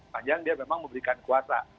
panjang dia memang memberikan kuasa